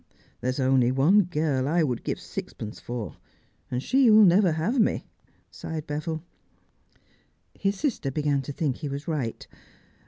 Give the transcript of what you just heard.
'There is only one girl I would give sixpence for, and she will never have me,' sighed Beville. His sister began to think he was right.